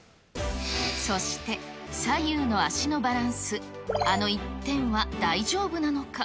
そして、左右の足のバランス、あの１点は大丈夫なのか。